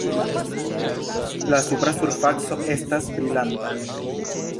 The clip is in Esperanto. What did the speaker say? La supra surfaco estas brilanta.